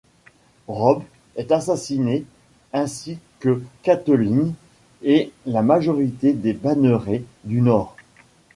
Robb est assassiné ainsi que Catelyn et la majorité des bannerets du Nord.